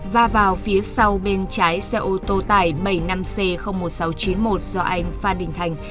và vào phía sau bên trái xe ô tô tải bảy mươi năm c một nghìn sáu trăm chín mươi một do anh phan đình thành